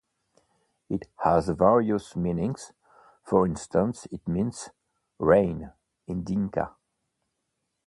It has various meanings; for instance, it means "Rain" in Dinka.